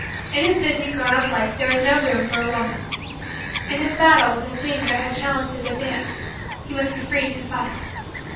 In his busy, grown up, life there was no room for a woman. In his battle with the things that challenged his advance, he must be free to fight.